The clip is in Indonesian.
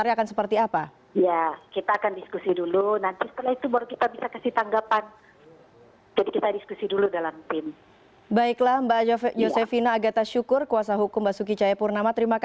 jepang biar jadi sport"